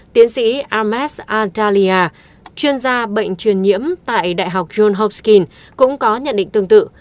tiến sĩ armes adalia chuyên gia bệnh truyền nhiễm tại đại học john hopkins cũng có nhận định tương tự